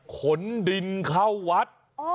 ขนดินเข้าวัด